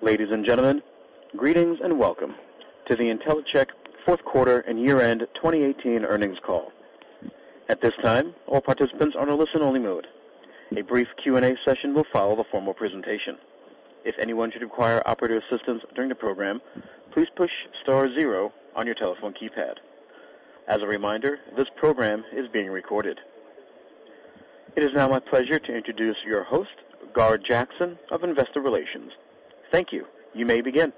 Ladies and gentlemen, greetings and welcome to the Intellicheck fourth quarter and year-end 2018 earnings call. At this time, all participants are in a listen-only mode. A brief Q&A session will follow the formal presentation. If anyone should require operator assistance during the program, please push star zero on your telephone keypad. As a reminder, this program is being recorded. It is now my pleasure to introduce your host, Gar Jackson, of Investor Relations. Thank you. You may begin.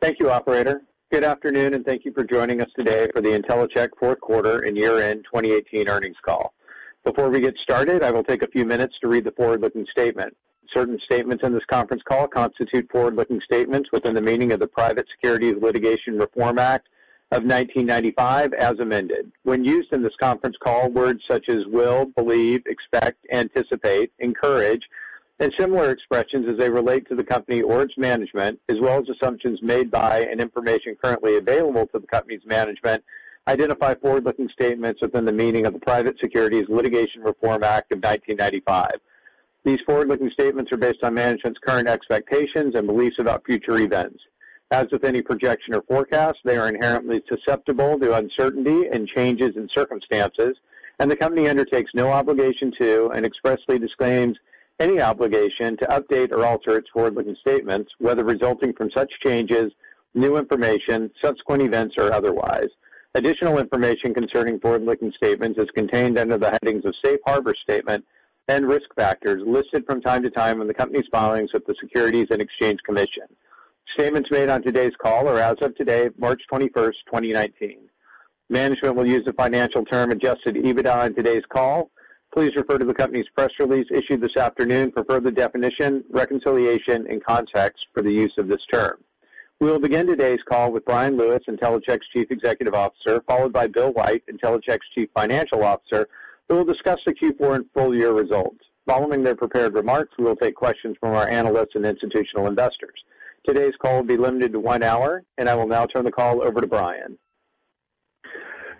Thank you, Operator. Good afternoon, and thank you for joining us today for the Intellicheck fourth quarter and year-end 2018 earnings call. Before we get started, I will take a few minutes to read the forward-looking statement. Certain statements in this conference call constitute forward-looking statements within the meaning of the Private Securities Litigation Reform Act of 1995, as amended. When used in this conference call, words such as will, believe, expect, anticipate, encourage, and similar expressions as they relate to the company or its management, as well as assumptions made by and information currently available to the company's management, identify forward-looking statements within the meaning of the Private Securities Litigation Reform Act of 1995. These forward-looking statements are based on management's current expectations and beliefs about future events. As with any projection or forecast, they are inherently susceptible to uncertainty and changes in circumstances, and the company undertakes no obligation to and expressly disclaims any obligation to update or alter its forward-looking statements, whether resulting from such changes, new information, subsequent events, or otherwise. Additional information concerning forward-looking statements is contained under the headings of Safe Harbor Statement and Risk Factors listed from time to time in the company's filings with the Securities and Exchange Commission. Statements made on today's call are as of today, March 21st, 2019. Management will use the financial term adjusted EBITDA on today's call. Please refer to the company's press release issued this afternoon for further definition, reconciliation, and context for the use of this term. We will begin today's call with Bryan Lewis, Intellicheck's Chief Executive Officer, followed by Bill White, Intellicheck's Chief Financial Officer, who will discuss the Q4 and full-year results. Following their prepared remarks, we will take questions from our analysts and institutional investors. Today's call will be limited to one hour, and I will now turn the call over to Bryan.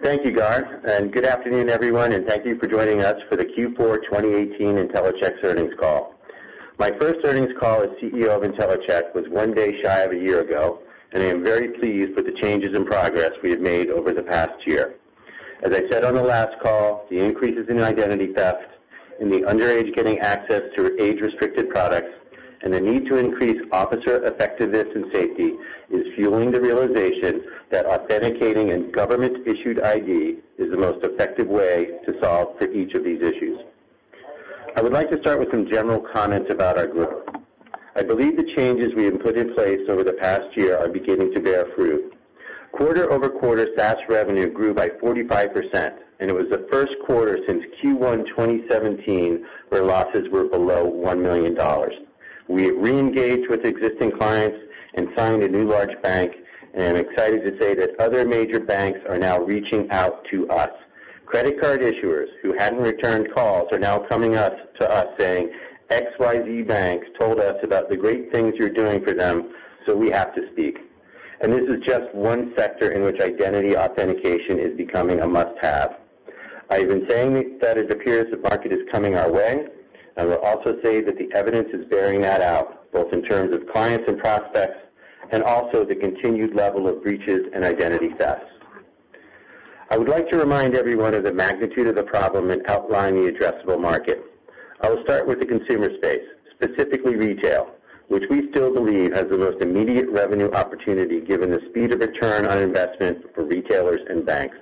Thank you, Gar, and good afternoon, everyone, and thank you for joining us for the Q4 2018 Intellicheck's earnings call. My first earnings call as CEO of Intellicheck was one day shy of a year ago, and I am very pleased with the changes in progress we have made over the past year. As I said on the last call, the increases in identity theft, in the underage getting access to age-restricted products, and the need to increase officer effectiveness and safety is fueling the realization that authenticating a government-issued ID is the most effective way to solve for each of these issues. I would like to start with some general comments about our group. I believe the changes we have put in place over the past year are beginning to bear fruit. Quarter-over-quarter, SaaS revenue grew by 45%, and it was the first quarter since Q1 2017 where losses were below $1 million. We have re-engaged with existing clients and signed a new large bank, and I'm excited to say that other major banks are now reaching out to us. Credit card issuers who hadn't returned calls are now coming to us saying, "XYZ Bank told us about the great things you're doing for them, so we have to speak, and this is just one sector in which identity authentication is becoming a must-have." I have been saying that it appears the market is coming our way, and I will also say that the evidence is bearing that out, both in terms of clients and prospects, and also the continued level of breaches and identity thefts. I would like to remind everyone of the magnitude of the problem and outline the addressable market. I will start with the consumer space, specifically retail, which we still believe has the most immediate revenue opportunity given the speed of return on investment for retailers and banks.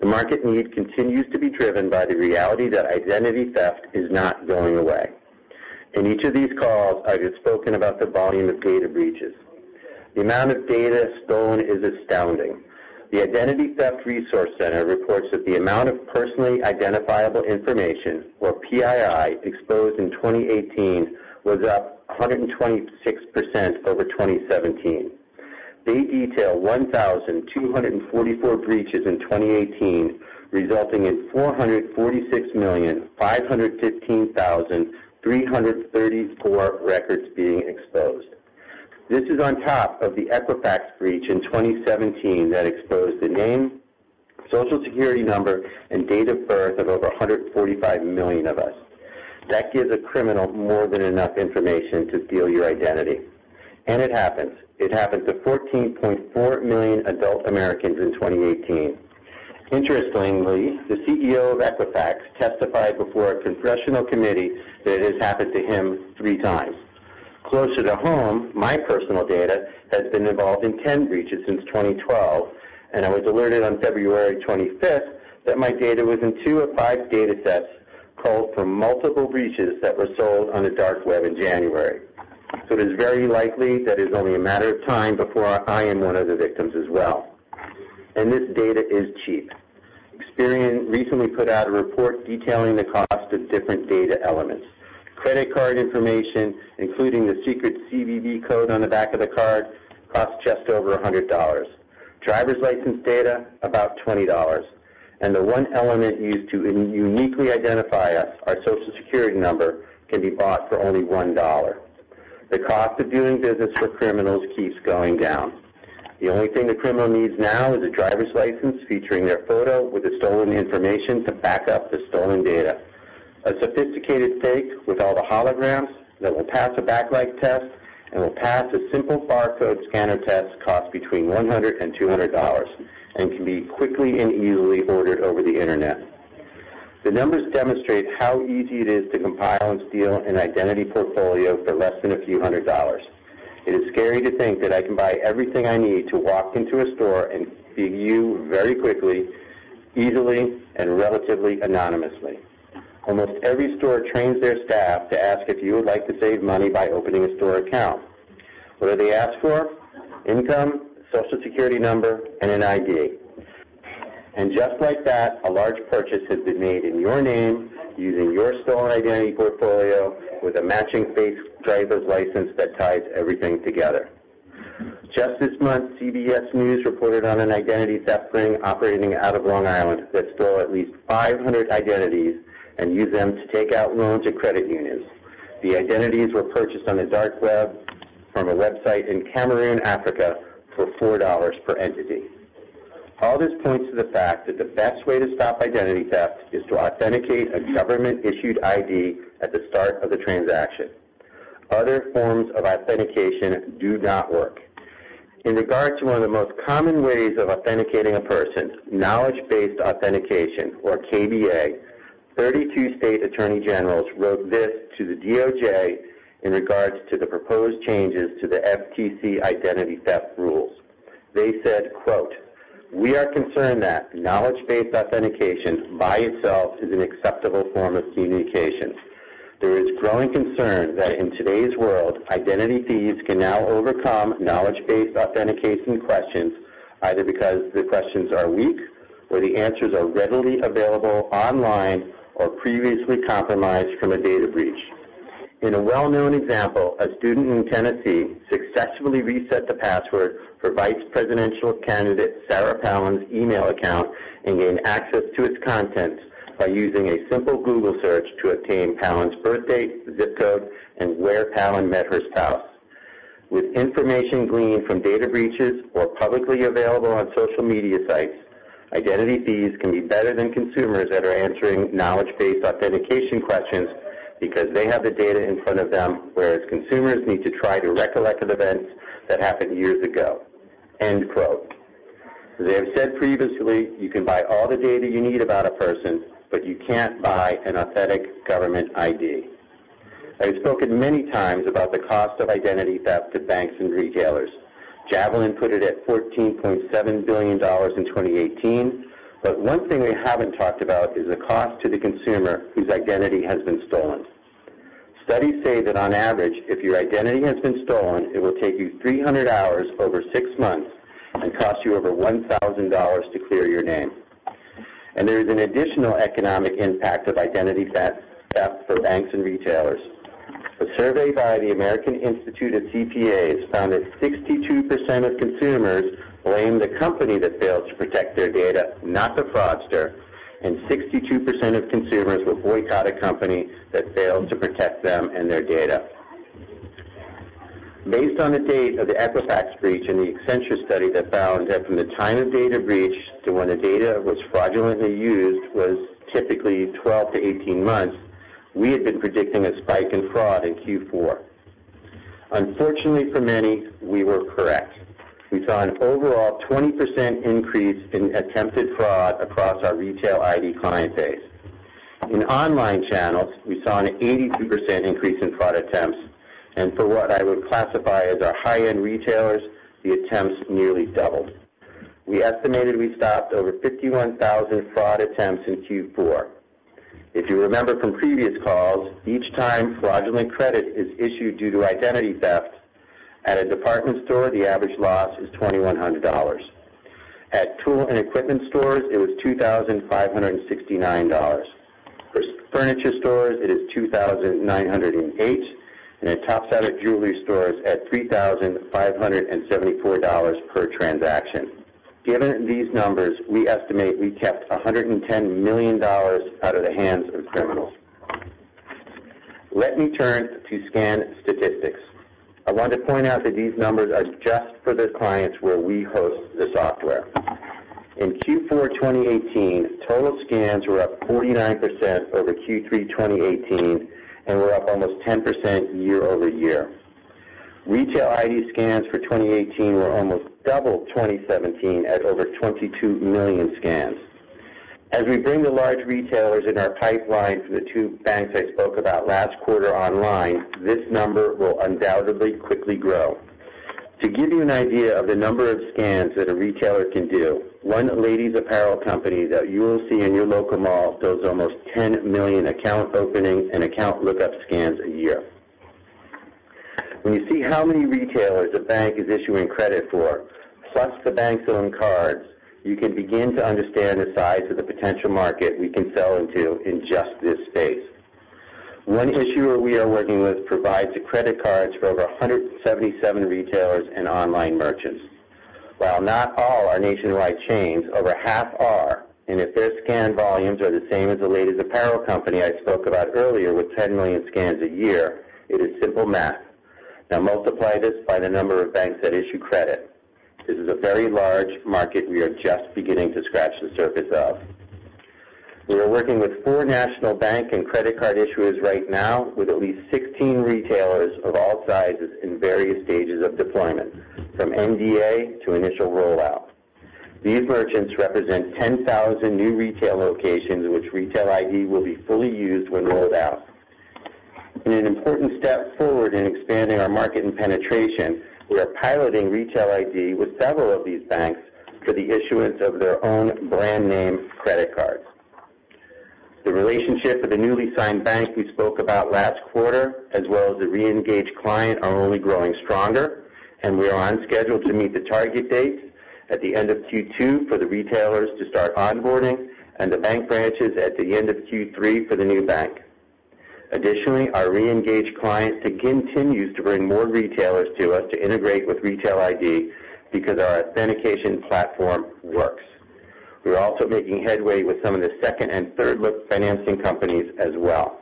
The market need continues to be driven by the reality that identity theft is not going away. In each of these calls, I've spoken about the volume of data breaches. The amount of data stolen is astounding. The Identity Theft Resource Center reports that the amount of personally identifiable information, or PII, exposed in 2018 was up 126% over 2017. They detail 1,244 breaches in 2018, resulting in 446,515,334 records being exposed. This is on top of the Equifax breach in 2017 that exposed the name, Social Security number, and date of birth of over 145 million of us. That gives a criminal more than enough information to steal your identity. And it happens. It happened to 14.4 million adult Americans in 2018. Interestingly, the CEO of Equifax testified before a congressional committee that it has happened to him three times. Closer to home, my personal data has been involved in 10 breaches since 2012, and I was alerted on February 25th that my data was in two of five data sets culled from multiple breaches that were sold on the Dark Web in January. So it is very likely that it is only a matter of time before I am one of the victims as well. And this data is cheap. Experian recently put out a report detailing the cost of different data elements. Credit card information, including the secret CVV code on the back of the card, costs just over $100. Driver's license data, about $20. The one element used to uniquely identify us, our Social Security number, can be bought for only $1. The cost of doing business for criminals keeps going down. The only thing the criminal needs now is a driver's license featuring their photo with the stolen information to back up the stolen data. A sophisticated fake with all the holograms that will pass a backlight test and will pass a simple barcode scanner test costs between $100 and $200 and can be quickly and easily ordered over the internet. The numbers demonstrate how easy it is to compile and steal an identity portfolio for less than a few hundred dollars. It is scary to think that I can buy everything I need to walk into a store and be you very quickly, easily, and relatively anonymously. Almost every store trains their staff to ask if you would like to save money by opening a store account. What do they ask for? Income, Social Security number, and an ID. And just like that, a large purchase has been made in your name using your stolen identity portfolio with a matching fake driver's license that ties everything together. Just this month, CBS News reported on an identity theft ring operating out of Long Island that stole at least 500 identities and used them to take out loans at credit unions. The identities were purchased on the Dark Web from a website in Cameroon, Africa, for $4 per entity. All this points to the fact that the best way to stop identity theft is to authenticate a government-issued ID at the start of the transaction. Other forms of authentication do not work. In regard to one of the most common ways of authenticating a person, knowledge-based authentication, or KBA, 32 state attorneys general wrote this to the DOJ in regard to the proposed changes to the FTC identity theft rules. They said, "We are concerned that knowledge-based authentication by itself is an acceptable form of authentication. There is growing concern that in today's world, identity thieves can now overcome knowledge-based authentication questions either because the questions are weak or the answers are readily available online or previously compromised from a data breach. In a well-known example, a student in Tennessee successfully reset the password for Vice Presidential Candidate Sarah Palin's email account and gained access to its contents by using a simple Google search to obtain Palin's birthdate, zip code, and where Palin met her spouse. With information gleaned from data breaches or publicly available on social media sites, identity thieves can be better than consumers that are answering knowledge-based authentication questions because they have the data in front of them, whereas consumers need to try to recollect the events that happened years ago." They have said previously, "You can buy all the data you need about a person, but you can't buy an authentic government ID." I have spoken many times about the cost of identity theft to banks and retailers. Javelin put it at $14.7 billion in 2018, but one thing we haven't talked about is the cost to the consumer whose identity has been stolen. Studies say that on average, if your identity has been stolen, it will take you 300 hours over six months and cost you over $1,000 to clear your name. There is an additional economic impact of identity theft for banks and retailers. A survey by the American Institute of CPAs found that 62% of consumers blame the company that fails to protect their data, not the fraudster, and 62% of consumers will boycott a company that fails to protect them and their data. Based on the date of the Equifax breach and the Accenture study that found that from the time of data breach to when the data was fraudulently used was typically 12-18 months, we had been predicting a spike in fraud in Q4. Unfortunately for many, we were correct. We saw an overall 20% increase in attempted fraud across our Retail ID client base. In online channels, we saw an 82% increase in fraud attempts, and for what I would classify as our high-end retailers, the attempts nearly doubled. We estimated we stopped over 51,000 fraud attempts in Q4. If you remember from previous calls, each time fraudulent credit is issued due to identity theft, at a department store, the average loss is $2,100. At tool and equipment stores, it was $2,569. For furniture stores, it is $2,908, and at top-selling jewelry stores, it's at $3,574 per transaction. Given these numbers, we estimate we kept $110 million out of the hands of criminals. Let me turn to scan statistics. I want to point out that these numbers are just for the clients where we host the software. In Q4 2018, total scans were up 49% over Q3 2018, and we're up almost 10% year-over-year. Retail ID scans for 2018 were almost double 2017 at over 22 million scans. As we bring the large retailers in our pipeline from the two banks I spoke about last quarter online, this number will undoubtedly quickly grow. To give you an idea of the number of scans that a retailer can do, one ladies' apparel company that you will see in your local mall does almost 10 million account opening and account lookup scans a year. When you see how many retailers a bank is issuing credit for, plus the banks owning cards, you can begin to understand the size of the potential market we can sell into in just this space. One issuer we are working with provides credit cards for over 177 retailers and online merchants. While not all are nationwide chains, over half are, and if their scan volumes are the same as the ladies' apparel company I spoke about earlier with 10 million scans a year, it is simple math. Now multiply this by the number of banks that issue credit. This is a very large market we are just beginning to scratch the surface of. We are working with four national bank and credit card issuers right now with at least 16 retailers of all sizes in various stages of deployment, from NDA to initial rollout. These merchants represent 10,000 new retail locations in which Retail ID will be fully used when rolled out. In an important step forward in expanding our market and penetration, we are piloting Retail ID with several of these banks for the issuance of their own brand name credit cards. The relationship with the newly signed bank we spoke about last quarter, as well as the re-engaged client, are only growing stronger, and we are on schedule to meet the target date at the end of Q2 for the retailers to start onboarding, and the bank branches at the end of Q3 for the new bank. Additionally, our re-engaged client continues to bring more retailers to us to integrate with Retail ID because our authentication platform works. We are also making headway with some of the second and third-look financing companies as well.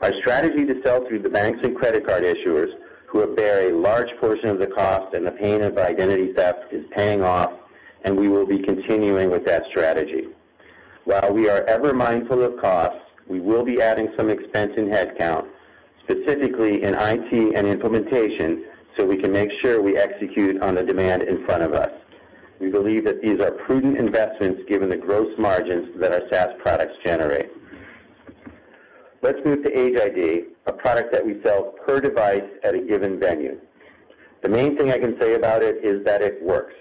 Our strategy to sell through the banks and credit card issuers, who bear a large portion of the cost and the pain of identity theft, is paying off, and we will be continuing with that strategy. While we are ever mindful of costs, we will be adding some expense in headcount, specifically in IT and implementation, so we can make sure we execute on the demand in front of us. We believe that these are prudent investments given the gross margins that our SaaS products generate. Let's move to Age ID, a product that we sell per device at a given venue. The main thing I can say about it is that it works.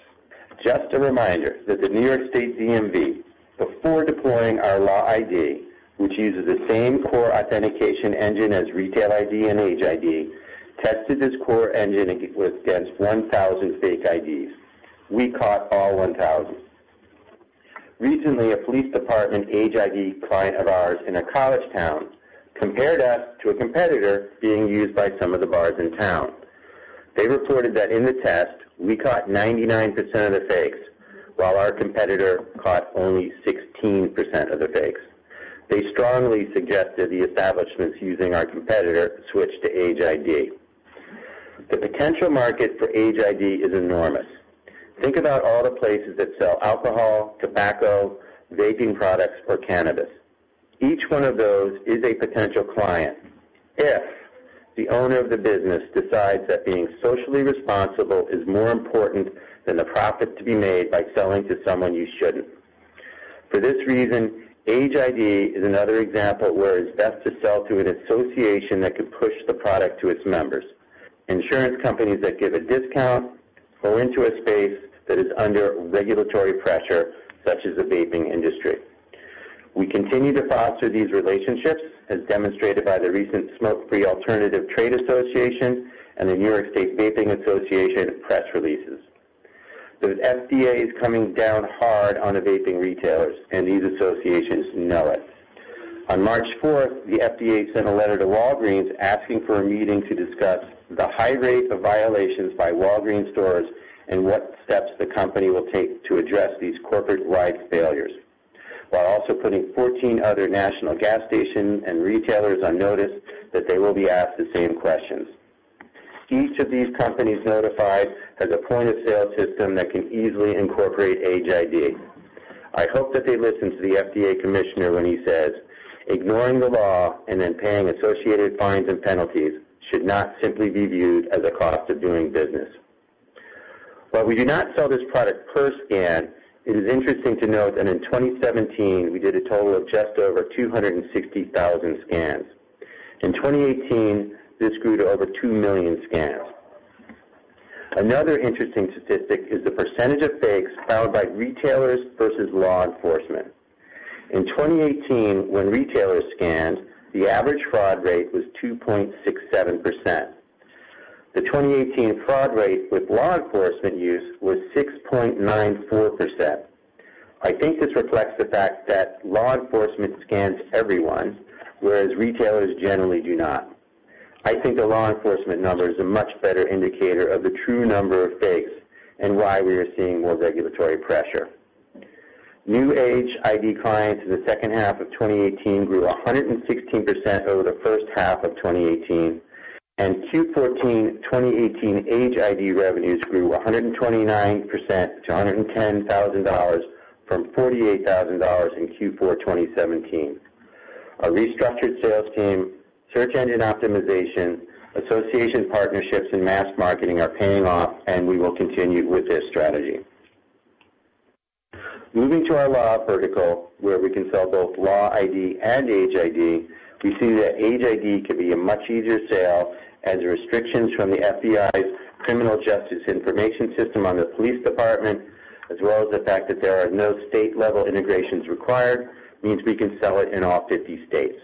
Just a reminder that the New York State DMV, before deploying our Law ID, which uses the same core authentication engine as Retail ID and Age ID, tested this core engine against 1,000 fake IDs. We caught all 1,000. Recently, a police department Age ID client of ours in a college town compared us to a competitor being used by some of the bars in town. They reported that in the test, we caught 99% of the fakes, while our competitor caught only 16% of the fakes. They strongly suggested the establishments using our competitor switched to Age ID. The potential market for Age ID is enormous. Think about all the places that sell alcohol, tobacco, vaping products, or cannabis. Each one of those is a potential client if the owner of the business decides that being socially responsible is more important than the profit to be made by selling to someone you shouldn't. For this reason, Age ID is another example where it is best to sell to an association that could push the product to its members, insurance companies that give a discount, or into a space that is under regulatory pressure, such as the vaping industry. We continue to foster these relationships, as demonstrated by the recent Smoke-Free Alternatives Trade Association and the New York State Vapor Association press releases. The FDA is coming down hard on the vaping retailers, and these associations know it. On March 4th, the FDA sent a letter to Walgreens asking for a meeting to discuss the high rate of violations by Walgreens stores and what steps the company will take to address these corporate-wide failures, while also putting 14 other national gas stations and retailers on notice that they will be asked the same questions. Each of these companies notified has a point-of-sale system that can easily incorporate Age ID. I hope that they listen to the FDA commissioner when he says, "Ignoring the law and then paying associated fines and penalties should not simply be viewed as a cost of doing business." While we do not sell this product per scan, it is interesting to note that in 2017, we did a total of just over 260,000 scans. In 2018, this grew to over 2 million scans. Another interesting statistic is the percentage of fakes found by retailers versus law enforcement. In 2018, when retailers scanned, the average fraud rate was 2.67%. The 2018 fraud rate with law enforcement use was 6.94%. I think this reflects the fact that law enforcement scans everyone, whereas retailers generally do not. I think the law enforcement number is a much better indicator of the true number of fakes and why we are seeing more regulatory pressure. New Age ID clients in the second half of 2018 grew 116% over the first half of 2018, and Q4 2018 Age ID revenues grew 129% to $110,000 from $48,000 in Q4 2017. Our restructured sales team, search engine optimization, association partnerships, and mass marketing are paying off, and we will continue with this strategy. Moving to our law vertical, where we can sell both Law ID and Age ID, we see that Age ID can be a much easier sale as restrictions from the FBI's Criminal Justice Information Services on the police department, as well as the fact that there are no state-level integrations required, means we can sell it in all 50 states.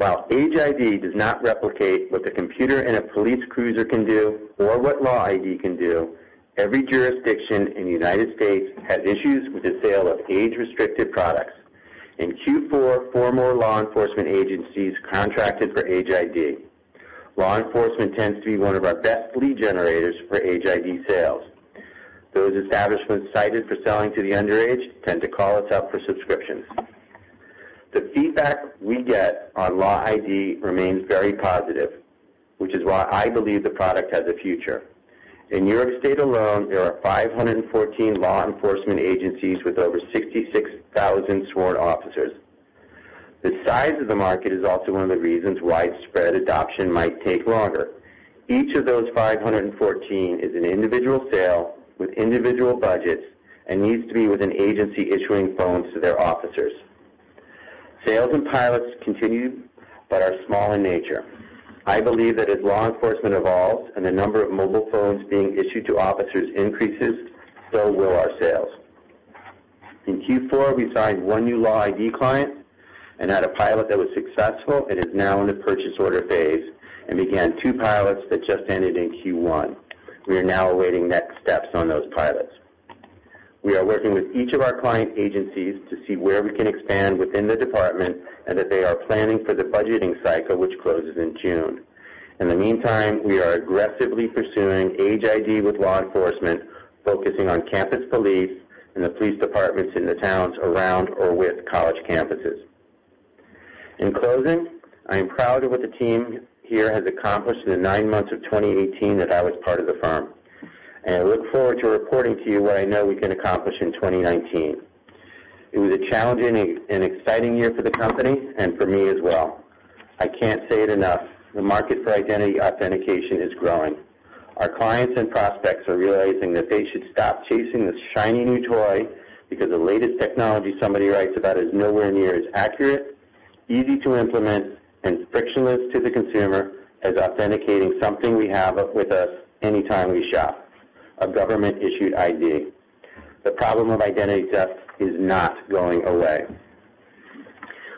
While Age ID does not replicate what the computer in a police cruiser can do or what Law ID can do, every jurisdiction in the United States has issues with the sale of age-restricted products. In Q4, four more law enforcement agencies contracted for Age ID. Law enforcement tends to be one of our best lead generators for Age ID sales. Those establishments cited for selling to the underage tend to call us up for subscriptions. The feedback we get on Law ID remains very positive, which is why I believe the product has a future. In New York State alone, there are 514 law enforcement agencies with over 66,000 sworn officers. The size of the market is also one of the reasons widespread adoption might take longer. Each of those 514 is an individual sale with individual budgets and needs to be with an agency issuing phones to their officers. Sales and pilots continue but are small in nature. I believe that as law enforcement evolves and the number of mobile phones being issued to officers increases, so will our sales. In Q4, we signed one new Law ID client and had a pilot that was successful and is now in the purchase order phase and began two pilots that just ended in Q1. We are now awaiting next steps on those pilots. We are working with each of our client agencies to see where we can expand within the department and that they are planning for the budgeting cycle, which closes in June. In the meantime, we are aggressively pursuing Age ID with law enforcement, focusing on campus police and the police departments in the towns around or with college campuses. In closing, I am proud of what the team here has accomplished in the nine months of 2018 that I was part of the firm, and I look forward to reporting to you what I know we can accomplish in 2019. It was a challenging and exciting year for the company and for me as well. I can't say it enough. The market for identity authentication is growing. Our clients and prospects are realizing that they should stop chasing this shiny new toy because the latest technology somebody writes about is nowhere near as accurate, easy to implement, and frictionless to the consumer as authenticating something we have with us anytime we shop: a government-issued ID. The problem of identity theft is not going away.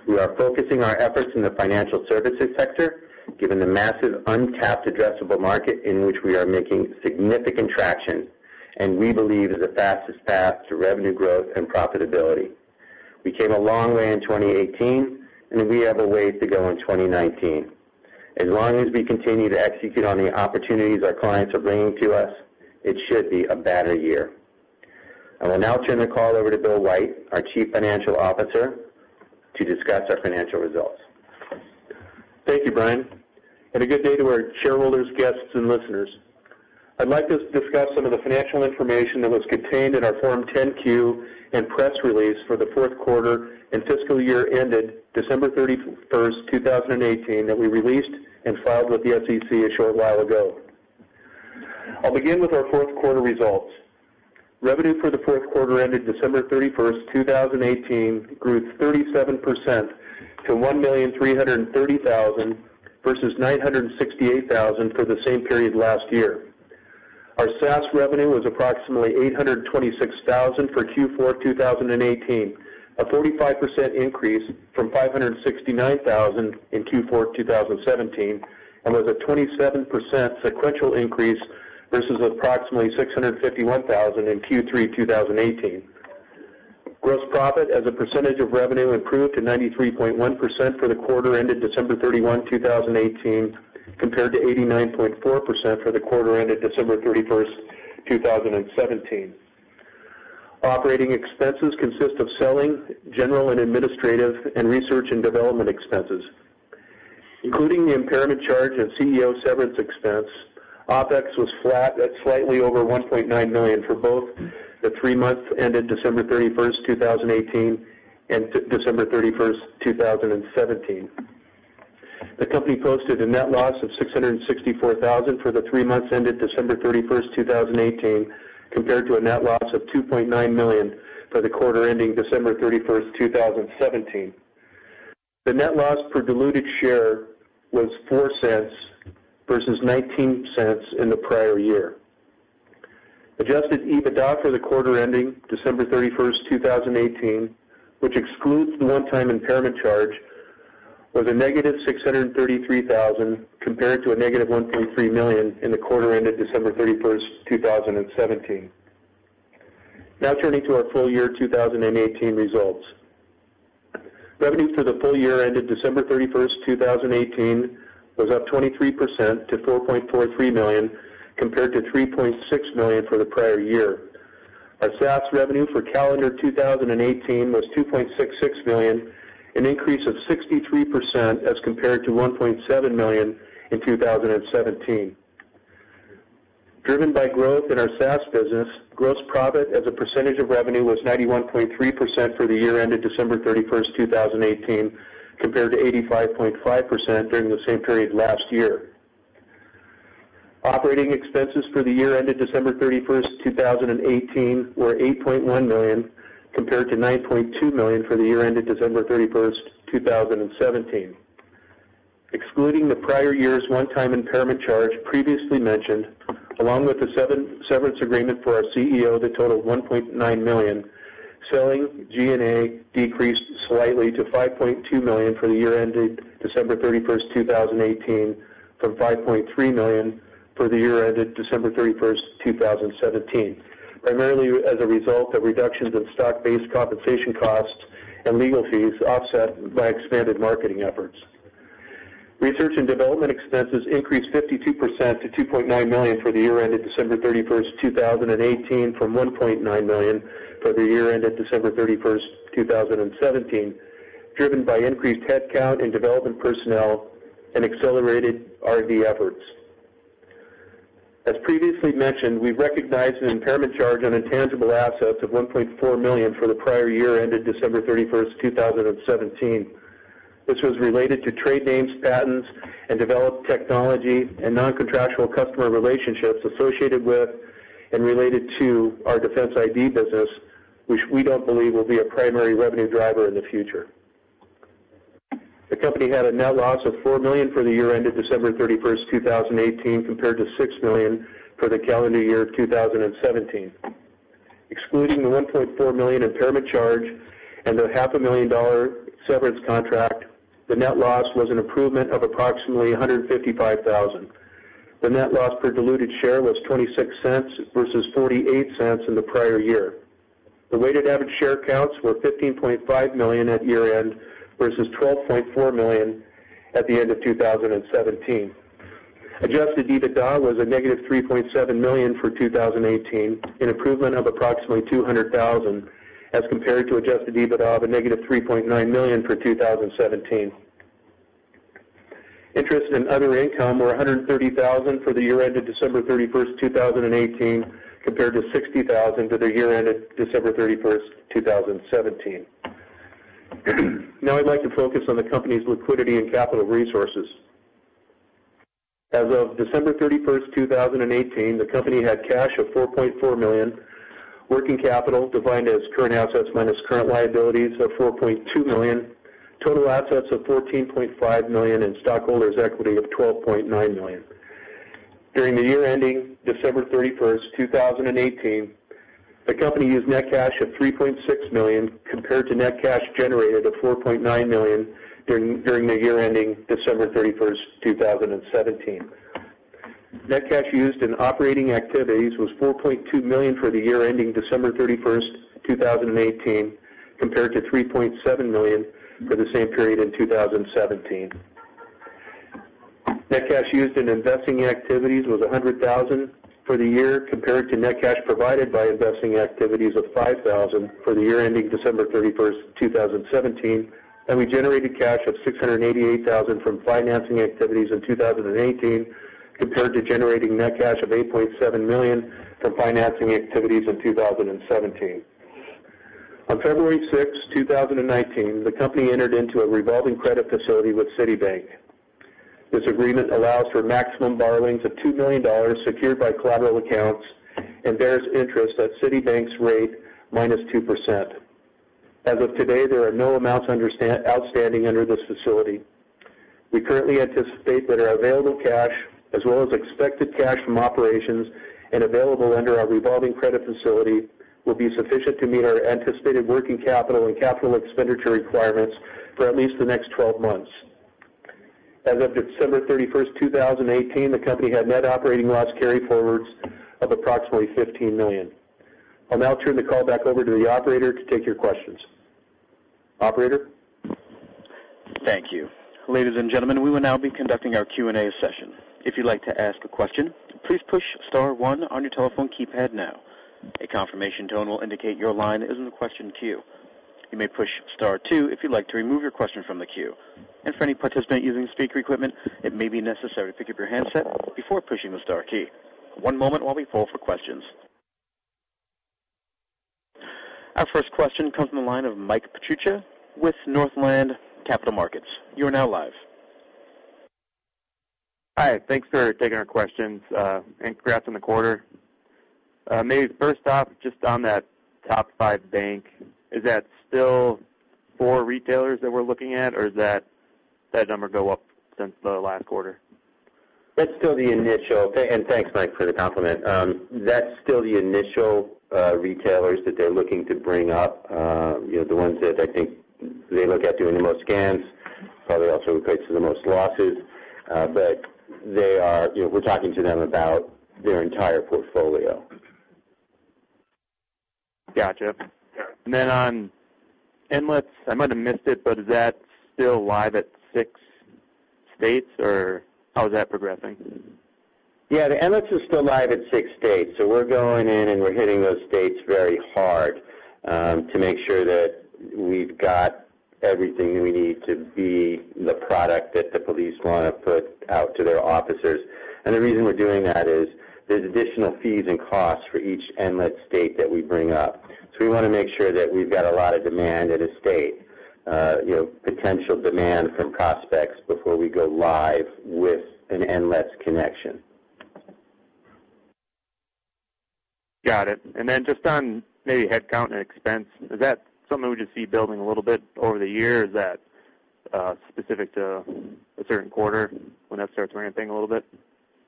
We are focusing our efforts in the financial services sector, given the massive untapped addressable market in which we are making significant traction, and we believe it is the fastest path to revenue growth and profitability. We came a long way in 2018, and we have a ways to go in 2019. As long as we continue to execute on the opportunities our clients are bringing to us, it should be a better year. I will now turn the call over to Bill White, our Chief Financial Officer, to discuss our financial results. Thank you, Bryan. A good day to our shareholders, guests, and listeners. I'd like to discuss some of the financial information that was contained in our Form 10-Q and press release for the fourth quarter and fiscal year ended December 31st, 2018, that we released and filed with the SEC a short while ago. I'll begin with our fourth quarter results. Revenue for the fourth quarter ended December 31st, 2018, grew 37% to $1,330,000 versus $968,000 for the same period last year. Our SaaS revenue was approximately $826,000 for Q4 2018, a 45% increase from $569,000 in Q4 2017, and was a 27% sequential increase versus approximately $651,000 in Q3 2018. Gross profit, as a percentage of revenue, improved to 93.1% for the quarter ended December 31, 2018, compared to 89.4% for the quarter ended December 31st, 2017. Operating expenses consist of selling, general and administrative and research and development expenses. Including the impairment charge and CEO severance expense, OpEx was flat at slightly over $1.9 million for both the three months ended December 31st, 2018, and December 31st, 2017. The company posted a net loss of $664,000 for the three months ended December 31st, 2018, compared to a net loss of $2.9 million for the quarter ending December 31st, 2017. The net loss per diluted share was $0.04 versus $0.19 in the prior year. Adjusted EBITDA for the quarter ending December 31st, 2018, which excludes the one-time impairment charge, was a negative $633,000 compared to a negative $1.3 million in the quarter ended December 31st, 2017. Now turning to our full year 2018 results. Revenue for the full year ended December 31st, 2018, was up 23% to $4.43 million compared to $3.6 million for the prior year. Our SaaS revenue for calendar 2018 was $2.66 million, an increase of 63% as compared to $1.7 million in 2017. Driven by growth in our SaaS business, gross profit as a percentage of revenue was 91.3% for the year ended December 31st, 2018, compared to 85.5% during the same period last year. Operating expenses for the year ended December 31st, 2018, were $8.1 million compared to $9.2 million for the year ended December 31st, 2017. Excluding the prior year's one-time impairment charge previously mentioned, along with the severance agreement for our CEO that totaled $1.9 million, selling G&A decreased slightly to $5.2 million for the year ended December 31st, 2018, from $5.3 million for the year ended December 31st, 2017, primarily as a result of reductions in stock-based compensation costs and legal fees offset by expanded marketing efforts. Research and development expenses increased 52% to $2.9 million for the year ended December 31st, 2018, from $1.9 million for the year ended December 31st, 2017, driven by increased headcount and development personnel and accelerated R&D efforts. As previously mentioned, we recognized an impairment charge on intangible assets of $1.4 million for the prior year ended December 31st, 2017. This was related to trade names, patents, and developed technology and non-contractual customer relationships associated with and related to our Defense ID business, which we don't believe will be a primary revenue driver in the future. The company had a net loss of $4 million for the year ended December 31st, 2018, compared to $6 million for the calendar year 2017. Excluding the $1.4 million impairment charge and the $500,000 severance contract, the net loss was an improvement of approximately $155,000. The net loss per diluted share was $0.26 versus $0.48 in the prior year. The weighted average share counts were 15.5 million at year end versus 12.4 million at the end of 2017. Adjusted EBITDA was a negative $3.7 million for 2018, an improvement of approximately $200,000 as compared to adjusted EBITDA of a negative $3.9 million for 2017. Interest and other income were $130,000 for the year ended December 31st, 2018, compared to $60,000 for the year ended December 31st, 2017. Now I'd like to focus on the company's liquidity and capital resources. As of December 31st, 2018, the company had cash of $4.4 million, working capital defined as current assets minus current liabilities of $4.2 million, total assets of $14.5 million, and stockholders' equity of $12.9 million. During the year ending December 31st, 2018, the company used net cash of $3.6 million compared to net cash generated of $4.9 million during the year ending December 31st, 2017. Net cash used in operating activities was $4.2 million for the year ending December 31st, 2018, compared to $3.7 million for the same period in 2017. Net cash used in investing activities was $100,000 for the year compared to net cash provided by investing activities of $5,000 for the year ending December 31st, 2017, and we generated cash of $688,000 from financing activities in 2018 compared to generating net cash of $8.7 million from financing activities in 2017. On February 6th, 2019, the company entered into a revolving credit facility with Citibank. This agreement allows for maximum borrowings of $2 million secured by collateral accounts and bears interest at Citibank's rate minus 2%. As of today, there are no amounts outstanding under this facility. We currently anticipate that our available cash, as well as expected cash from operations and available under our revolving credit facility, will be sufficient to meet our anticipated working capital and capital expenditure requirements for at least the next 12 months. As of December 31st, 2018, the company had net operating loss carryforwards of approximately $15 million. I'll now turn the call back over to the operator to take your questions. Operator. Thank you. Ladies and gentlemen, we will now be conducting our Q&A session. If you'd like to ask a question, please push star one on your telephone keypad now. A confirmation tone will indicate your line is in the question queue. You may push star two if you'd like to remove your question from the queue. And for any participant using speaker equipment, it may be necessary to pick up your handset before pushing the star key. One moment while we poll for questions. Our first question comes from the line of Mike Petrucci with Northland Capital Markets. You are now live. Hi. Thanks for taking our questions and congrats on the quarter. Maybe first off, just on that top five bank, is that still four retailers that we're looking at, or is that number go up since the last quarter? That's still the initial. And thanks, Mike, for the compliment. That's still the initial retailers that they're looking to bring up, the ones that I think they look at doing the most scans, probably also replaces the most losses, but they are we're talking to them about their entire portfolio. Gotcha. And then on Nlets, I might have missed it, but is that still live at six states, or how is that progressing? Yeah. The Nlets is still live at six states, so we're going in and we're hitting those states very hard to make sure that we've got everything we need to be the product that the police want to put out to their officers. The reason we're doing that is there's additional fees and costs for each Nlets state that we bring up. We want to make sure that we've got a lot of demand in a state, potential demand from prospects before we go live with an Nlets connection. Got it. Then just on maybe headcount and expense, is that something we just see building a little bit over the year? Is that specific to a certain quarter when that starts to ramp thing a little bit?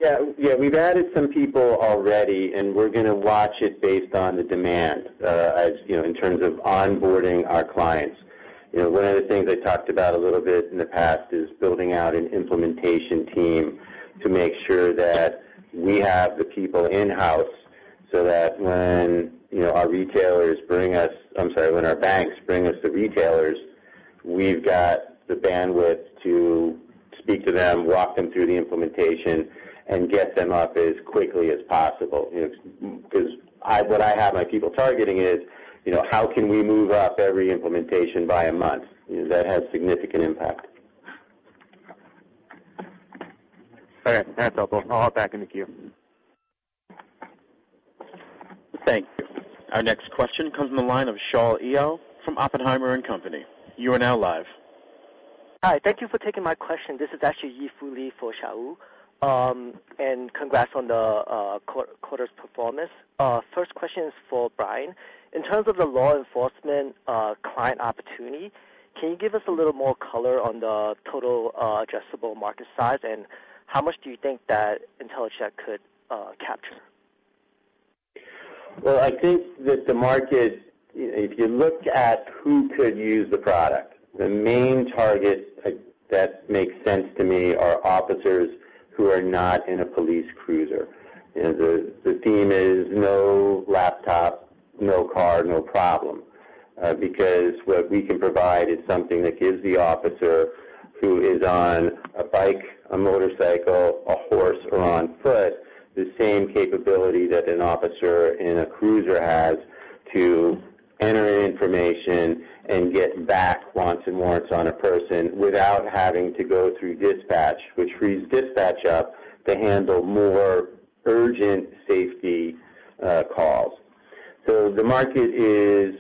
Yeah. Yeah. We've added some people already, and we're going to watch it based on the demand in terms of onboarding our clients. One of the things I talked about a little bit in the past is building out an implementation team to make sure that we have the people in-house so that when our retailers bring us. I'm sorry, when our banks bring us the retailers, we've got the bandwidth to speak to them, walk them through the implementation, and get them up as quickly as possible. Because what I have my people targeting is, how can we move up every implementation by a month? That has significant impact. All right. That's helpful. I'll hop back into queue. Thank you. Our next question comes from the line of Shaul Eyal from Oppenheimer & Company. You are now live. Hi. Thank you for taking my question. This is actually Yi Fu Lee for Shaul. And congrats on the quarter's performance. First question is for Bryan. In terms of the law enforcement client opportunity, can you give us a little more color on the total addressable market size and how much do you think that Intellicheck could capture? Well, I think that the market, if you look at who could use the product, the main targets that make sense to me are officers who are not in a police cruiser. The theme is no laptop, no car, no problem. Because what we can provide is something that gives the officer who is on a bike, a motorcycle, a horse, or on foot the same capability that an officer in a cruiser has to enter in information and get back NCIC and more on a person without having to go through dispatch, which frees dispatch up to handle more urgent safety calls. So the market is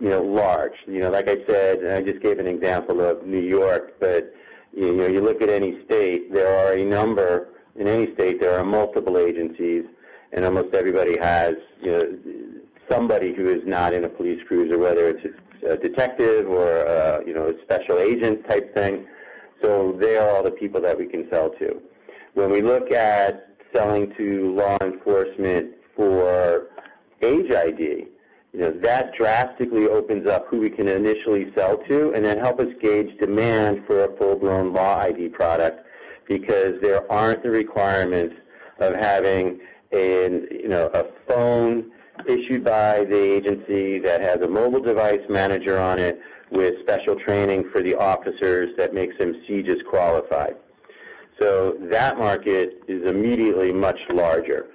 large. Like I said, I just gave an example of New York, but you look at any state, there are a number in any state, there are multiple agencies, and almost everybody has somebody who is not in a police cruiser, whether it's a detective or a special agent type thing. So they are all the people that we can sell to. When we look at selling to law enforcement for age ID, that drastically opens up who we can initially sell to and then help us gauge demand for a full-blown Law ID product because there aren't the requirements of having a phone issued by the agency that has a mobile device management on it with special training for the officers that makes them CJIS qualified. So that market is immediately much larger.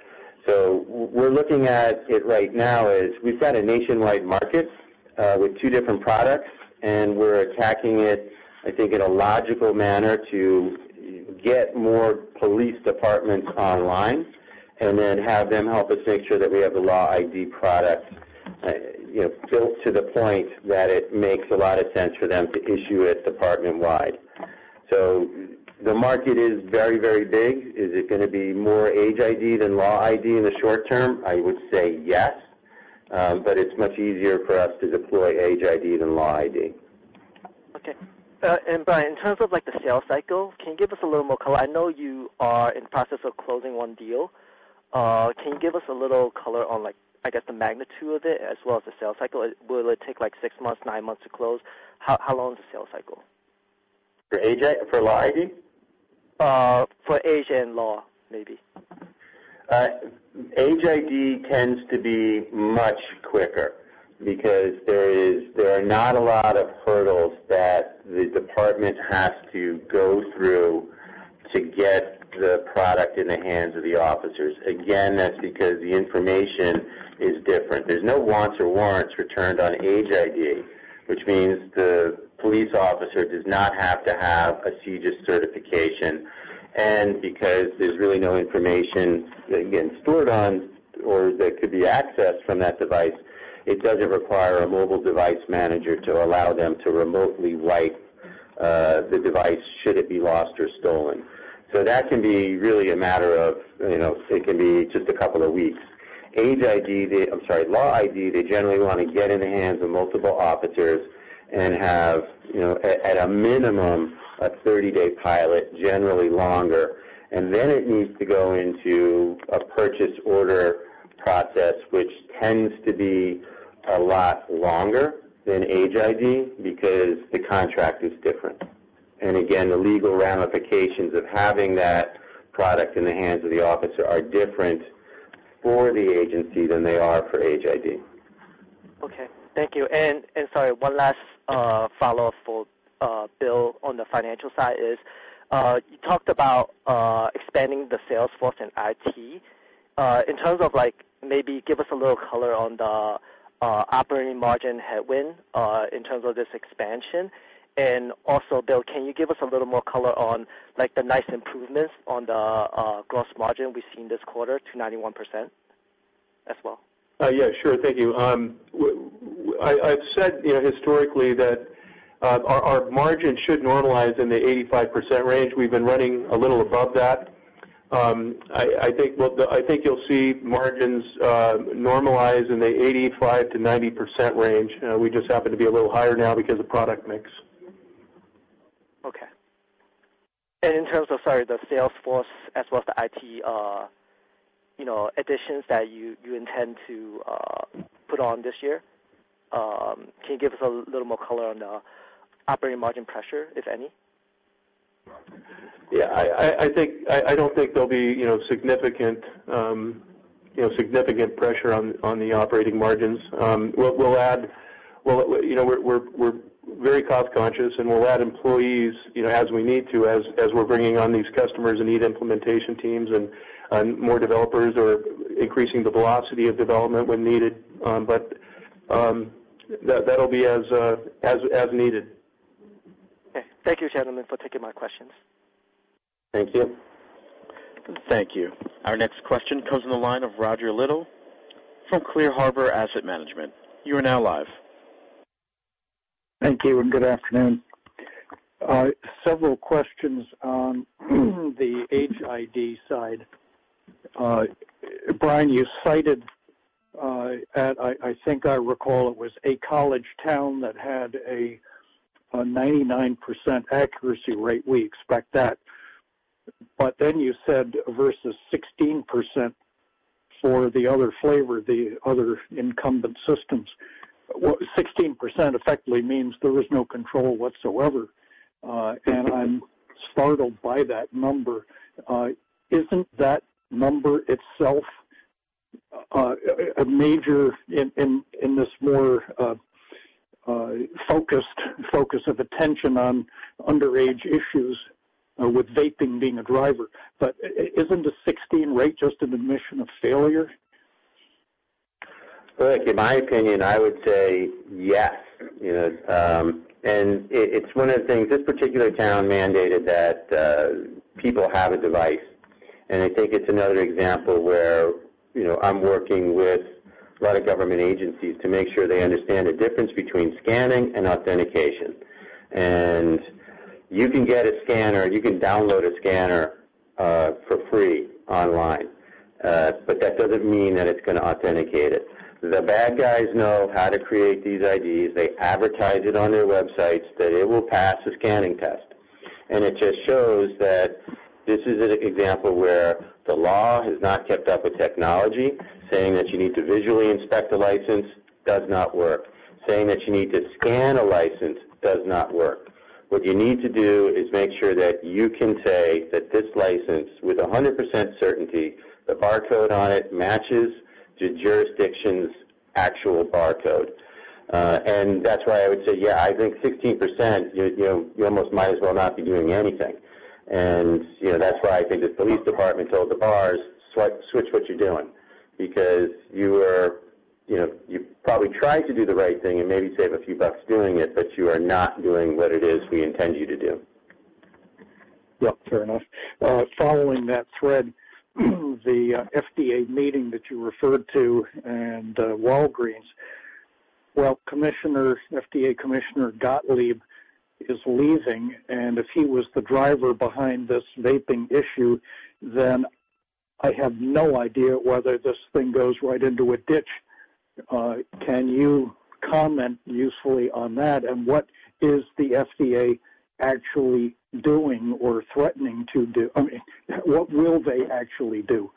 So we're looking at it right now as we've got a nationwide market with two different products, and we're attacking it, I think, in a logical manner to get more police departments online and then have them help us make sure that we have the Law ID product built to the point that it makes a lot of sense for them to issue it department-wide. So the market is very, very big. Is it going to be more age ID than Law ID in the short term? I would say yes, but it's much easier for us to deploy age ID than Law ID. Okay. And Bryan, in terms of the sales cycle, can you give us a little more color? I know you are in the process of closing one deal. Can you give us a little color on, I guess, the magnitude of it as well as the sales cycle? Will it take six months, nine months to close? How long is the sales cycle? For Age ID? For age and law, maybe. Age ID tends to be much quicker because there are not a lot of hurdles that the department has to go through to get the product in the hands of the officers. Again, that's because the information is different. There's no wants or warrants returned on Age ID, which means the police officer does not have to have a CJIS certification. And because there's really no information, again, stored on or that could be accessed from that device, it doesn't require a mobile device manager to allow them to remotely wipe the device should it be lost or stolen. So that can be really a matter of it can be just a couple of weeks. Age ID, I'm sorry, Law ID, they generally want to get in the hands of multiple officers and have, at a minimum, a 30-day pilot, generally longer. And then it needs to go into a purchase order process, which tends to be a lot longer than Age ID because the contract is different. And again, the legal ramifications of having that product in the hands of the officer are different for the agency than they are for Age ID. Okay. Thank you. And sorry, one last follow-up for Bill on the financial side is you talked about expanding the sales force and IT. In terms of maybe give us a little color on the operating margin headwind in terms of this expansion. And also, Bill, can you give us a little more color on the nice improvements on the gross margin we've seen this quarter to 91% as well? Yeah. Sure. Thank you. I've said historically that our margin should normalize in the 85% range. We've been running a little above that. I think you'll see margins normalize in the 85%-90% range. We just happen to be a little higher now because of product mix. Okay. And in terms of, sorry, the sales force as well as the IT additions that you intend to put on this year, can you give us a little more color on the operating margin pressure, if any? Yeah. I don't think there'll be significant pressure on the operating margins. We'll add, we're very cost-conscious, and we'll add employees as we need to as we're bringing on these customers and need implementation teams and more developers or increasing the velocity of development when needed. But that'll be as needed. Okay. Thank you, gentlemen, for taking my questions. Thank you. Thank you. Our next question comes from the line of Roger Liddell from Clear Harbor Asset Management. You are now live. Thank you. And good afternoon. Several questions on the Age ID side. Bryan, you cited, I think I recall it was a college town that had a 99% accuracy rate. We expect that. But then you said versus 16% for the other flavor, the other incumbent systems. 16% effectively means there was no control whatsoever. And I'm startled by that number. Isn't that number itself a major win in this more focused focus of attention on underage issues with vaping being a driver? but isn't the 16% rate just an admission of failure? Look, in my opinion, I would say yes, and it's one of the things this particular town mandated that people have a device. And I think it's another example where I'm working with a lot of government agencies to make sure they understand the difference between scanning and authentication. and you can get a scanner. You can download a scanner for free online. But that doesn't mean that it's going to authenticate it. The bad guys know how to create these IDs. They advertise it on their websites that it will pass a scanning test. And it just shows that this is an example where the law has not kept up with technology. Saying that you need to visually inspect a license does not work. Saying that you need to scan a license does not work. What you need to do is make sure that you can say that this license, with 100% certainty, the barcode on it matches the jurisdiction's actual barcode. And that's why I would say, yeah, I think 16%, you almost might as well not be doing anything. And that's why I think the police department told the bars, "Switch what you're doing." Because you probably tried to do the right thing and maybe save a few bucks doing it, but you are not doing what it is we intend you to do. Yep. Fair enough. Following that thread, the FDA meeting that you referred to and Walgreens, well, FDA Commissioner Gottlieb is leaving. And if he was the driver behind this vaping issue, then I have no idea whether this thing goes right into a ditch. Can you comment usefully on that? And what is the FDA actually doing or threatening to do? I mean, what will they actually do?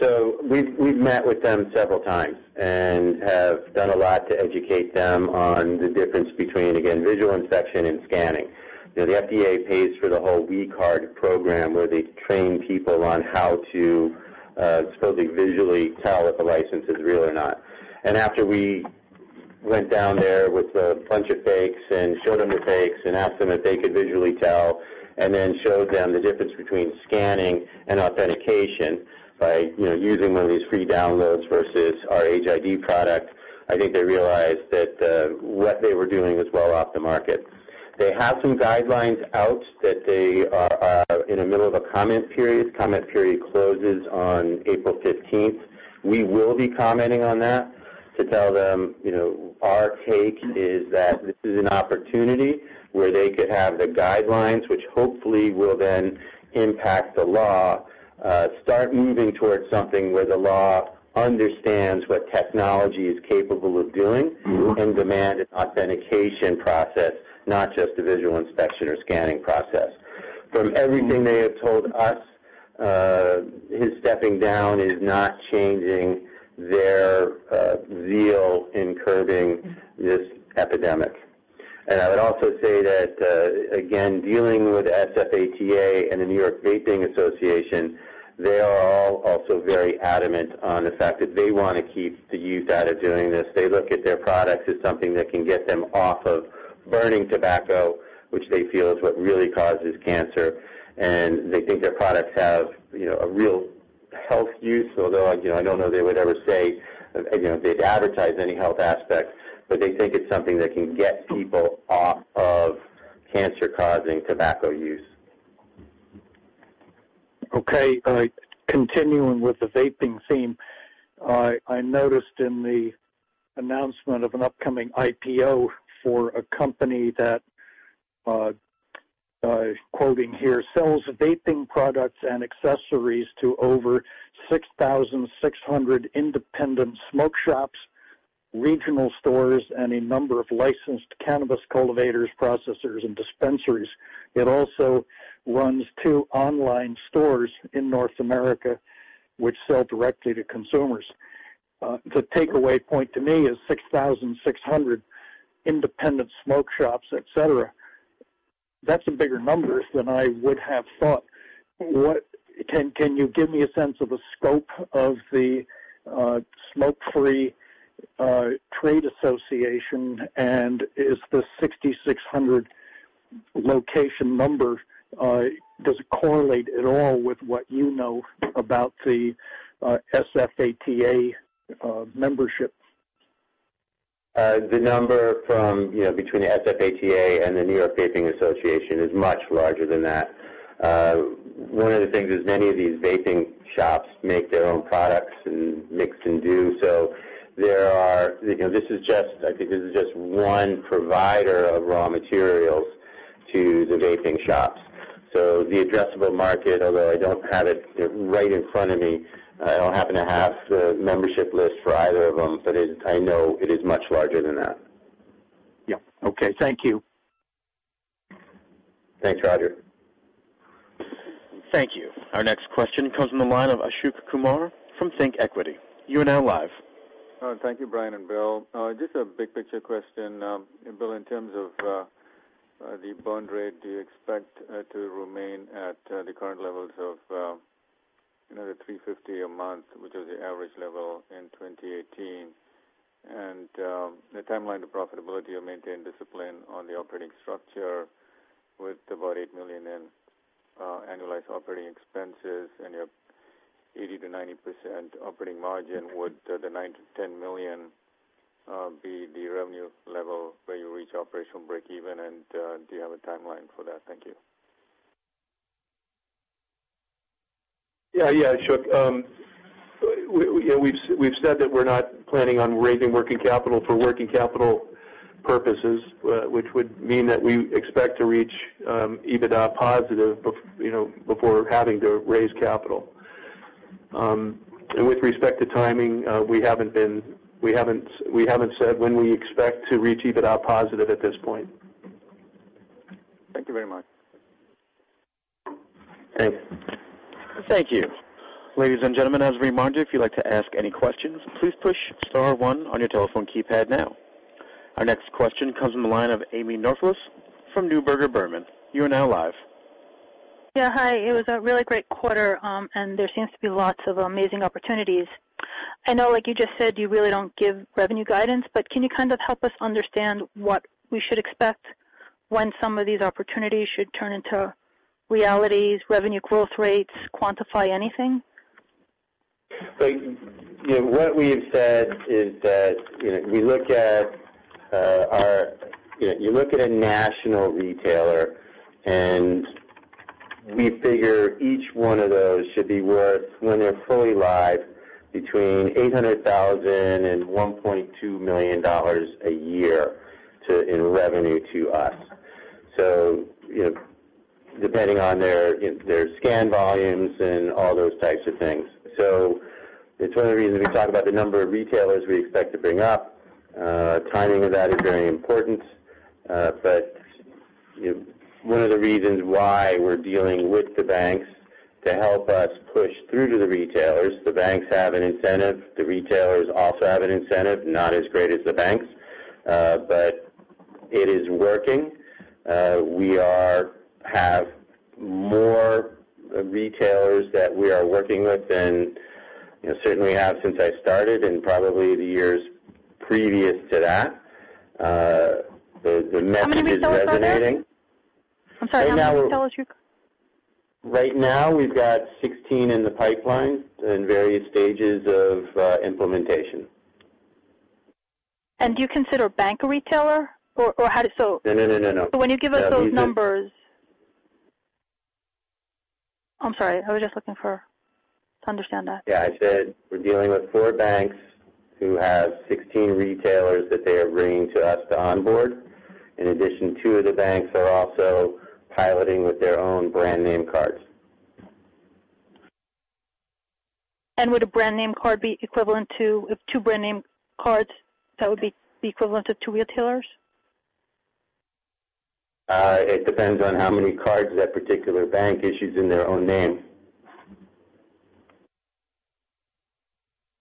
So we've met with them several times and have done a lot to educate them on the difference between, again, visual inspection and scanning. The FDA pays for the whole We Card program where they train people on how to supposedly visually tell if a license is real or not. And after we went down there with a bunch of fakes and showed them the fakes and asked them if they could visually tell and then showed them the difference between scanning and authentication by using one of these free downloads versus our Age ID product, I think they realized that what they were doing was well off the market. They have some guidelines out that they are in the middle of a comment period. Comment period closes on April 15th. We will be commenting on that to tell them our take is that this is an opportunity where they could have the guidelines, which hopefully will then impact the law, start moving towards something where the law understands what technology is capable of doing and demand an authentication process, not just a visual inspection or scanning process. From everything they have told us, his stepping down is not changing their zeal in curbing this epidemic, and I would also say that, again, dealing with SFATA and the New York Vapor Association, they are all also very adamant on the fact that they want to keep the youth out of doing this. They look at their products as something that can get them off of burning tobacco, which they feel is what really causes cancer, and they think their products have a real health use, although I don't know they would ever say they'd advertise any health aspect, but they think it's something that can get people off of cancer-causing tobacco use. Okay. Continuing with the vaping theme, I noticed in the announcement of an upcoming IPO for a company that I'm quoting here, sells vaping products and accessories to over 6,600 independent smoke shops, regional stores, and a number of licensed cannabis cultivators, processors, and dispensaries. It also runs two online stores in North America, which sell directly to consumers. The takeaway point to me is 6,600 independent smoke shops, etc. That's a bigger number than I would have thought. Can you give me a sense of the scope of the Smoke-Free Alternatives Trade Association and is the 6,600 location number, does it correlate at all with what you know about the SFATA membership? The number between the SFATA and the New York Vapor Association is much larger than that. One of the things is many of these vaping shops make their own products and mix and do. So this is just, I think this is just one provider of raw materials to the vaping shops. So the addressable market, although I don't have it right in front of me, I don't happen to have the membership list for either of them, but I know it is much larger than that. Yep. Okay. Thank you. Thanks, Roger. Thank you. Our next question comes from the line of Ashok Kumar from ThinkEquity. You are now live. Thank you, Bryan and Bill. Just a big picture question. Bill, in terms of the burn rate, do you expect to remain at the current levels of another 350 a month, which was the average level in 2018? And the timeline to profitability or maintain discipline on the operating structure with about $8 million in annualized operating expenses and your 80%-90% operating margin, would the $9-$10 million be the revenue level where you reach operational breakeven? And do you have a timeline for that? Thank you. Yeah. Yeah. Sure. Yeah. We've said that we're not planning on raising working capital for working capital purposes, which would mean that we expect to reach EBITDA positive before having to raise capital. And with respect to timing, we haven't said when we expect to reach EBITDA positive at this point. Thank you very much. Thank you. Thank you. Ladies and gentlemen, as a reminder, if you'd like to ask any questions, please push star one on your telephone keypad now. Our next question comes from the line of Amy Norflus from Neuberger Berman. You are now live. Yeah. Hi. It was a really great quarter, and there seems to be lots of amazing opportunities. I know, like you just said, you really don't give revenue guidance, but can you kind of help us understand what we should expect when some of these opportunities should turn into realities, revenue growth rates, quantify anything? What we have said is that we look at our you look at a national retailer, and we figure each one of those should be worth, when they're fully live, between $800,000 and $1.2 million a year in revenue to us, depending on their scan volumes and all those types of things. So it's one of the reasons we talk about the number of retailers we expect to bring up. Timing of that is very important. But one of the reasons why we're dealing with the banks to help us push through to the retailers, the banks have an incentive. The retailers also have an incentive, not as great as the banks, but it is working. We have more retailers that we are working with than certainly have since I started and probably the years previous to that. The message is resonating. How many retailers? I'm sorry. How many retailers? Right now, we've got 16 in the pipeline in various stages of implementation. And do you consider bank retailer? Or how does it? No, no, no, no, no. So when you give us those numbers. I'm sorry. I was just looking for to understand that. Yeah. I said we're dealing with four banks who have 16 retailers that they are bringing to us to onboard. In addition, two of the banks are also piloting with their own brand name cards. And would a brand name card be equivalent to two brand name cards that would be equivalent to two retailers? It depends on how many cards that particular bank issues in their own name.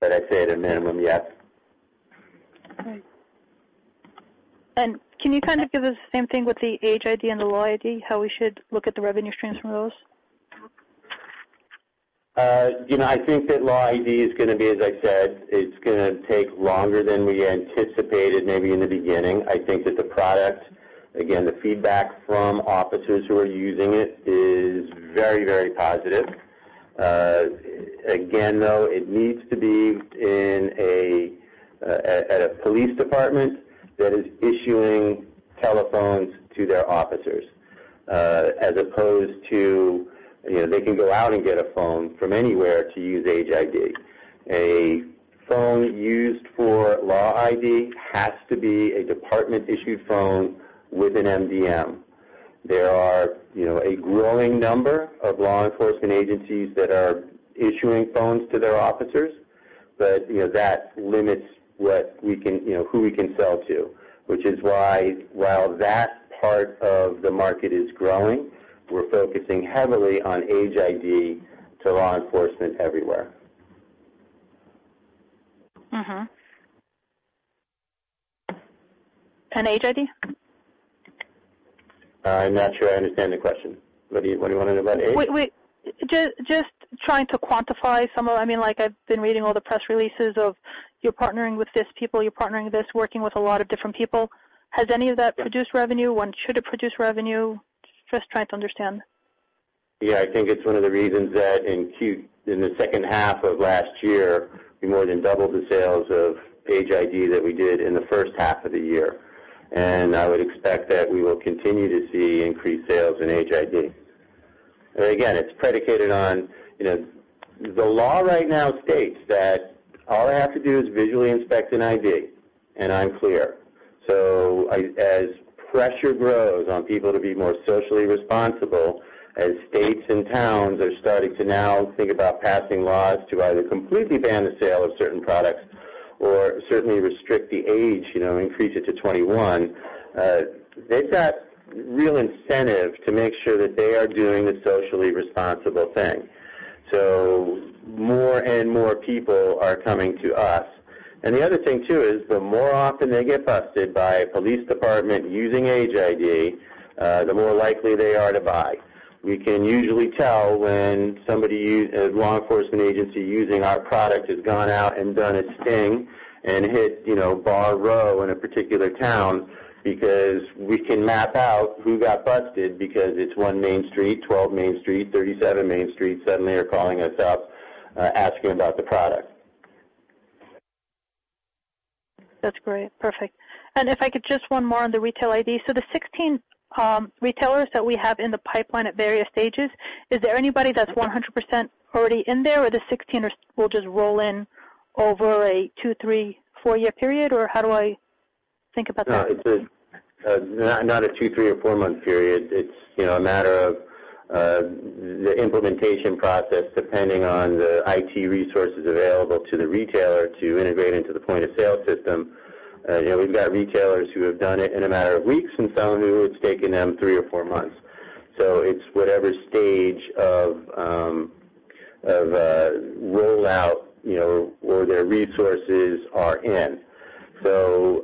But I'd say at a minimum, yes. And can you kind of give us the same thing with the Age ID and the Law ID, how we should look at the revenue streams from those? I think that Law ID is going to be, as I said, it's going to take longer than we anticipated maybe in the beginning. I think that the product, again, the feedback from officers who are using it is very, very positive. Again, though, it needs to be at a police department that is issuing telephones to their officers as opposed to they can go out and get a phone from anywhere to use Age ID. A phone used for Law ID has to be a department-issued phone with an MDM. There are a growing number of law enforcement agencies that are issuing phones to their officers, but that limits who we can sell to, which is why while that part of the market is growing, we're focusing heavily on Age ID to law enforcement everywhere. And Age ID? I'm not sure I understand the question. What do you want to know about age? Just trying to quantify some of, I mean, I've been reading all the press releases of you're partnering with these people, you're partnering with this, working with a lot of different people. Has any of that produced revenue? When should it produce revenue? Just trying to understand. Yeah. I think it's one of the reasons that in the second half of last year, we more than doubled the sales of Age ID that we did in the first half of the year. And I would expect that we will continue to see increased sales in Age ID. And again, it's predicated on the law right now states that all I have to do is visually inspect an ID, and I'm clear. So as pressure grows on people to be more socially responsible, as states and towns are starting to now think about passing laws to either completely ban the sale of certain products or certainly restrict the age, increase it to 21, they've got real incentive to make sure that they are doing the socially responsible thing. So more and more people are coming to us. The other thing too is the more often they get busted by a police department using Age ID, the more likely they are to buy. We can usually tell when a law enforcement agency using our product has gone out and done a sting and hit bar row in a particular town because we can map out who got busted because it's one Main Street, 12 Main Street, 37 Main Street suddenly are calling us up asking about the product. That's great. Perfect. And if I could just one more on the Retail ID. So the 16 retailers that we have in the pipeline at various stages, is there anybody that's 100% already in there or the 16 will just roll in over a two, three, four-year period? Or how do I think about that? Not a two, three, or four-month period. It's a matter of the implementation process depending on the IT resources available to the retailer to integrate into the point of sale system. We've got retailers who have done it in a matter of weeks and some who it's taken them three or four months, so it's whatever stage of rollout or their resources are in, so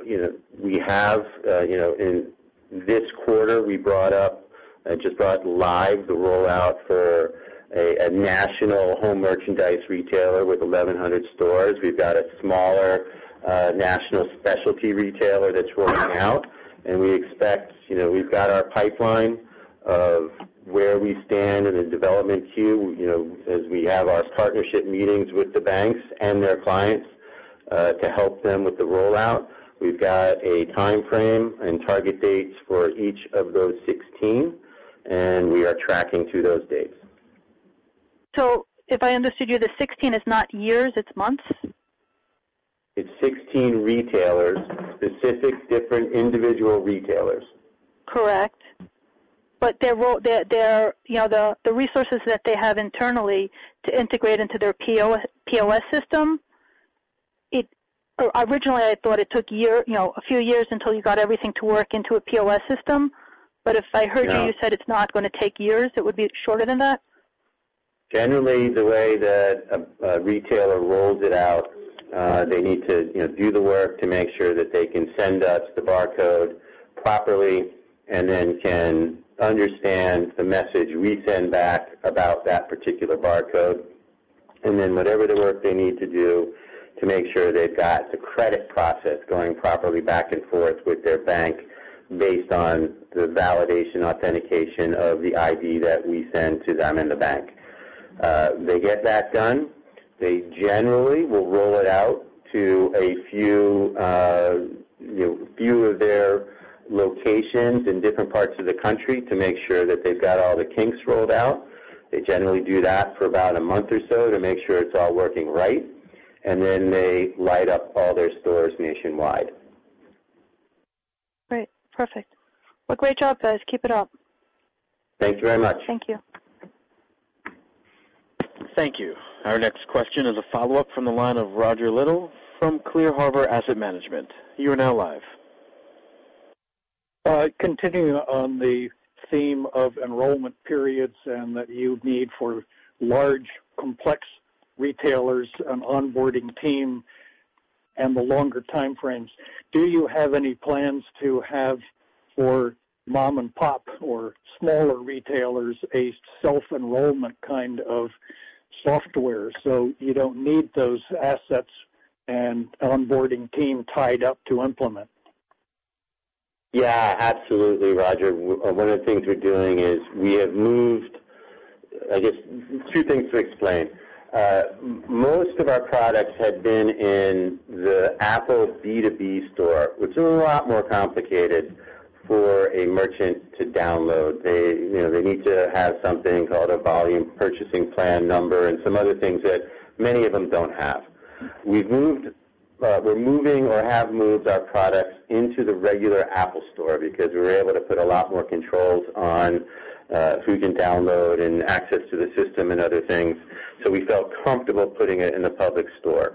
we have in this quarter, we brought up and just brought live the rollout for a national home merchandise retailer with 1,100 stores. We've got a smaller national specialty retailer that's rolling out, and we expect we've got our pipeline of where we stand in the development queue as we have our partnership meetings with the banks and their clients to help them with the rollout. We've got a timeframe and target dates for each of those 16, and we are tracking to those dates. So if I understood you, the 16 is not years, it's months? It's 16 retailers, specific different individual retailers. Correct. But the resources that they have internally to integrate into their POS system, originally I thought it took a few years until you got everything to work into a POS system. But if I heard you, you said it's not going to take years. It would be shorter than that? Generally, the way that a retailer rolls it out, they need to do the work to make sure that they can send us the barcode properly and then can understand the message we send back about that particular barcode. And then whatever the work they need to do to make sure they've got the credit process going properly back and forth with their bank based on the validation authentication of the ID that we send to them in the bank. They get that done. They generally will roll it out to a few of their locations in different parts of the country to make sure that they've got all the kinks rolled out. They generally do that for about a month or so to make sure it's all working right, and then they light up all their stores nationwide. Great. Perfect. Well, great job guys. Keep it up. Thank you very much. Thank you. Thank you. Our next question is a follow-up from the line of Roger Liddell from Clear Harbor Asset Management. You are now live. Continuing on the theme of enrollment periods and that you need for large, complex retailers, an onboarding team, and the longer timeframes, do you have any plans to have for mom and pop or smaller retailers a self-enrollment kind of software so you don't need those assets and onboarding team tied up to implement? Yeah. Absolutely, Roger. One of the things we're doing is we have moved, I guess, two things to explain. Most of our products had been in the Apple B2B Store, which is a lot more complicated for a merchant to download. They need to have something called a Volume Purchasing Plan number and some other things that many of them don't have. We're moving or have moved our products into the regular Apple Store because we were able to put a lot more controls on who can download and access to the system and other things. So we felt comfortable putting it in the public store.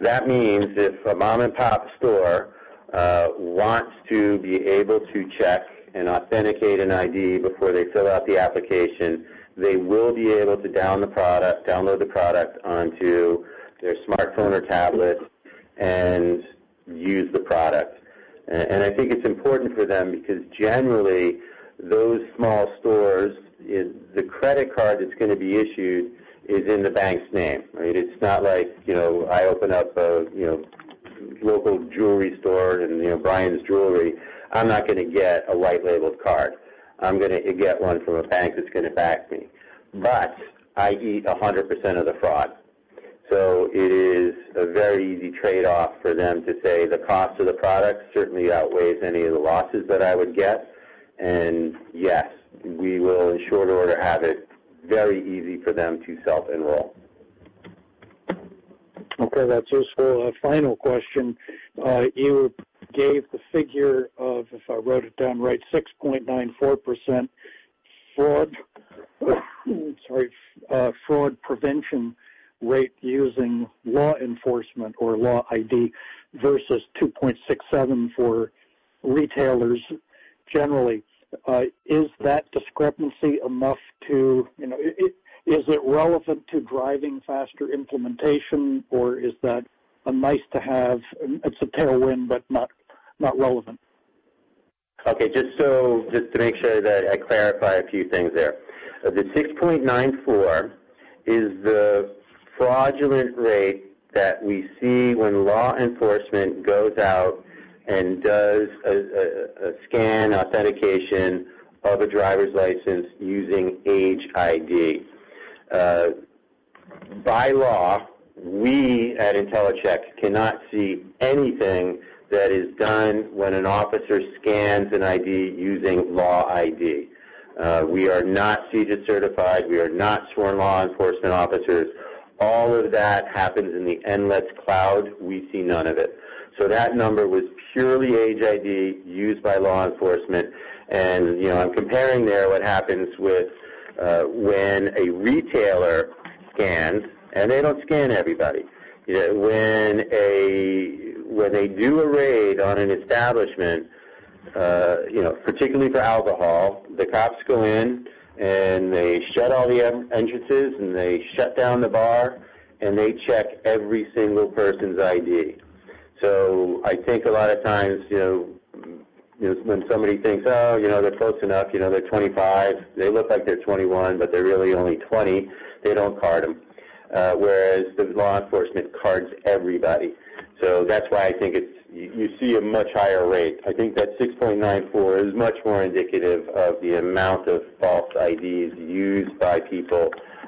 That means if a mom-and-pop store wants to be able to check and authenticate an ID before they fill out the application, they will be able to download the product onto their smartphone or tablet and use the product. And I think it's important for them because generally, those small stores, the credit card that's going to be issued is in the bank's name. It's not like I open up a local jewelry store in Bryan's Jewelry. I'm not going to get a white-labeled card. I'm going to get one from a bank that's going to back me. But I eat 100% of the fraud. So it is a very easy trade-off for them to say the cost of the product certainly outweigh any of the losses that I would get. And yes, we will, in short order, have it very easy for them to self-enroll. Okay. That's useful. A final question. You gave the figure of, if I wrote it down right, 6.94% fraud prevention rate using law enforcement or Law ID versus 2.67% for retailers generally. Is that discrepancy enough to is it relevant to driving faster implementation, or is that a nice-to-have? It's a tailwind, but not relevant. Okay. Just to make sure that I clarify a few things there. The 6.94 is the fraudulent rate that we see when law enforcement goes out and does a scan authentication of a driver's license using Age ID. By law, we at Intellicheck cannot see anything that is done when an officer scans an ID using Law ID. We are not CJIS certified. We are not sworn law enforcement officers. All of that happens in the Nlets cloud. We see none of it. So that number was purely Age ID used by law enforcement. And I'm comparing there what happens when a retailer scans, and they don't scan everybody. When they do a raid on an establishment, particularly for alcohol, the cops go in and they shut all the entrances and they shut down the bar and they check every single person's ID. So I think a lot of times when somebody thinks, "Oh, they're close enough. They're 25. They look like they're 21, but they're really only 20," they don't card them. Whereas the law enforcement cards everybody. So that's why I think you see a much higher rate. I think that 6.94 is much more indicative of the amount of false IDs used by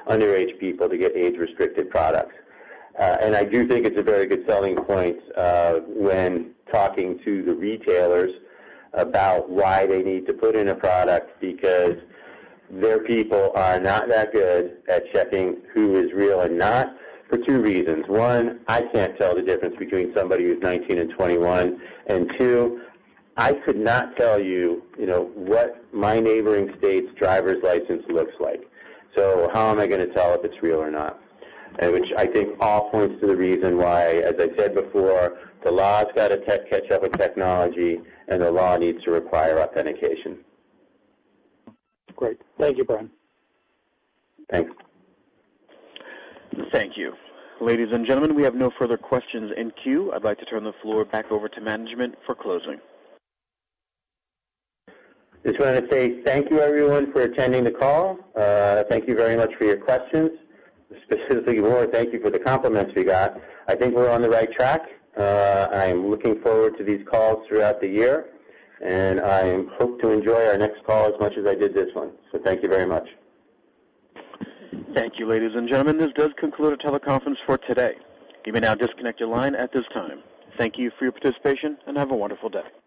underage people to get age-restricted products. And I do think it's a very good selling point when talking to the retailers about why they need to put in a product because their people are not that good at checking who is real and not for two reasons. One, I can't tell the difference between somebody who's 19 and 21. And two, I could not tell you what my neighboring state's driver's license looks like. So how am I going to tell if it's real or not? Which I think all points to the reason why, as I said before, the law's got to catch up with technology and the law needs to require authentication. Great. Thank you, Bryan. Thanks. Thank you. Ladies and gentlemen, we have no further questions in queue. I'd like to turn the floor back over to management for closing. Just wanted to say thank you, everyone, for attending the call. Thank you very much for your questions. Specifically, more thank you for the compliments we got. I think we're on the right track. I am looking forward to these calls throughout the year, and I hope to enjoy our next call as much as I did this one, so thank you very much. Thank you, ladies and gentlemen. This does conclude our teleconference for today. You may now disconnect your line at this time. Thank you for your participation and have a wonderful day.